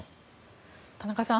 田中さん